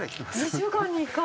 ２週間に１回。